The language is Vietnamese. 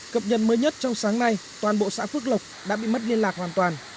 cập nhật mới nhất trong sáng nay toàn bộ xã phước lộc đã bị mất liên lạc hoàn toàn